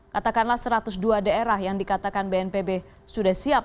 katakanlah satu ratus dua daerah yang dikatakan bnpb sudah siap